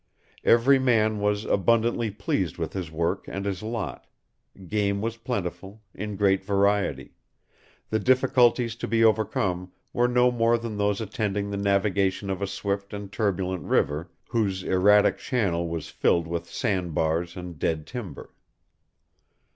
Every man was abundantly pleased with his work and his lot; game was plentiful, in great variety; the difficulties to be overcome were no more than those attending the navigation of a swift and turbulent river, whose erratic channel was filled with sand bars and dead timber.